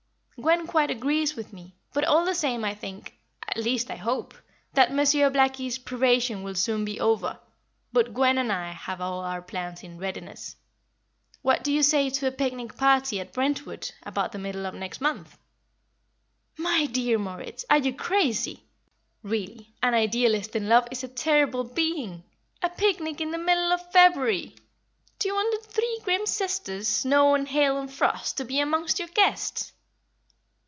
"Gwen quite agrees with me, but all the same I think at least, I hope that Monsieur Blackie's probation will soon be over, but Gwen and I have all our plans in readiness. What do you say to a picnic party at Brentwood about the middle of next month?" "My dear Moritz, are you crazy? Really, an Idealist in love is a terrible being. A picnic in the middle of February! Do you want the three grim sisters, snow and hail and frost, to be among your guests?"